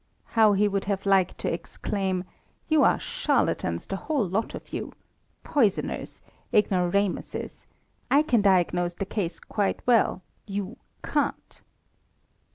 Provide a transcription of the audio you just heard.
How he would have liked to exclaim: "You are charlatans, the whole lot of you! Poisoners! Ignoramuses! I can diagnose the case quite well; you can't."